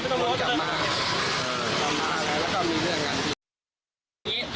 ผมก็จับมาจับมาแล้วก็มีเรื่องงานดี